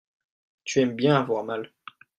tu aimes bien avoir mal.